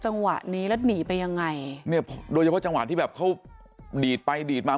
จังหวะนี้แล้วหนีไปยังไงเนี่ยโดยเฉพาะจังหวะที่แบบเขาดีดไปดีดมา